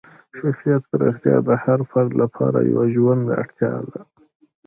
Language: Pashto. شخصیت پراختیا د هر فرد لپاره یوه ژوندۍ اړتیا ده.